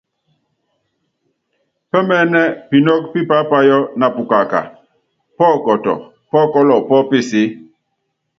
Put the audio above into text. Pɛ́mɛɛ́nɛ pinɔ́kɔ́ pí paápayɔ́ na pukaaka, pɔkɔtɔ, pɔ́kɔ́lɔ pɔ́ peseé.